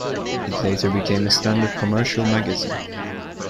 It later became a standard commercial magazine.